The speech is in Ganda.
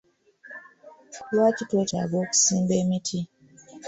Lwaki twetaaga okusimba emiti?